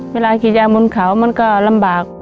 เวลากินยาบนเขามันก็ลำบาก